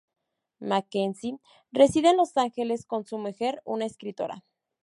Mackenzie reside en Los Ángeles con su mujer, una escritora.